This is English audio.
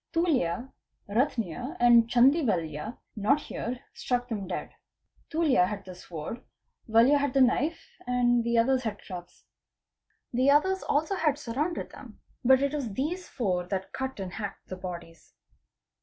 Tuljya, Ratnya and Chandy Valya not here, struck them dead. Tuljya had the sword; Valya had the knife, and the others had clubs. The others also had surrounded them, but it was these four that cut and hacked the bodies.